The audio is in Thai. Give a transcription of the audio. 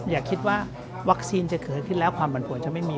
อย่าคิดว่าวัคซีนจะเกิดขึ้นแล้วความปันผลจะไม่มี